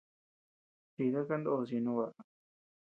Chida kandos ñeʼe no baʼa.